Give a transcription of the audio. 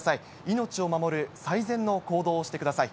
命を守る最善の行動をしてください。